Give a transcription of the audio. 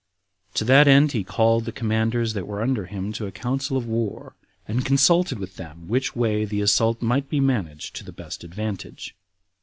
To that end he called the commanders that were under him to a council of war, and consulted with them which way the assault might be managed to the best advantage.